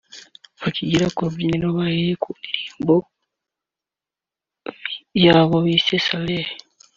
Bakigera ku rubyiniro bahereye ku ndirimbo yabo bise Saleh